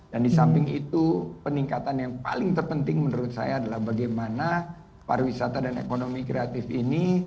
di samping itu peningkatan yang paling terpenting menurut saya adalah bagaimana pariwisata dan ekonomi kreatif ini